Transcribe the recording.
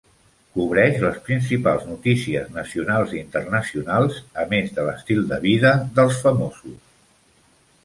Cobreix les principals notícies nacionals i internacionals, a més de l'estil de vida de les famosos.